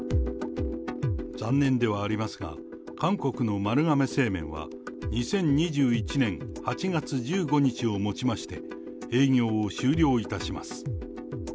残念ではありますが、韓国の丸亀製麺は、２０２１年８月１５日をもちまして営業を終了いたします。